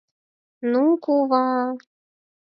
— Ну, кува!..